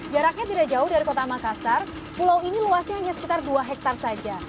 jaraknya tidak jauh dari kota makassar pulau ini luasnya hanya sekitar dua hektare saja